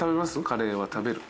カレーは食べる？